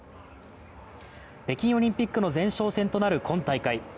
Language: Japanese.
北京オリンピックの前哨戦となる今大会。